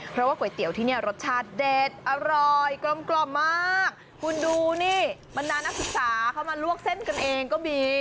เพราะว่าก๋วยเตี๋ยวที่เนี่ยรสชาติเด็ดอร่อยกลมกล่อมมากคุณดูนี่บรรดานักศึกษาเขามาลวกเส้นกันเองก็มี